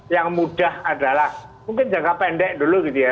yang mudah adalah mungkin jangka pendek dulu gitu ya